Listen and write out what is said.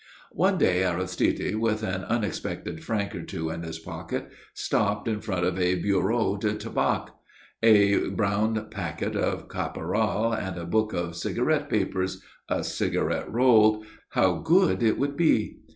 One day Aristide, with an unexpected franc or two in his pocket, stopped in front of a bureau de tabac. A brown packet of caporal and a book of cigarette papers a cigarette rolled how good it would be!